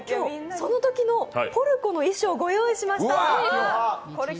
そのときのポルコの衣装ご用意しました。